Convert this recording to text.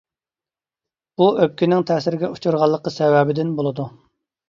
بۇ، ئۆپكىنىڭ تەسىرگە ئۇچرىغانلىقى سەۋەبىدىن بولىدۇ.